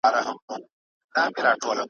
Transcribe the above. مطربه ما دي په نغمه کي غزل وپېیله `